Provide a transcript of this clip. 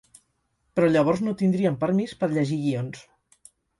Però llavors no tindrien permís per llegir guions.